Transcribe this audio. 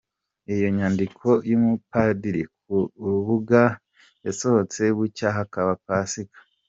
Iyo nyandiko y’umupadiri ku urubuga, yasohotse bucya hakaba Pasika.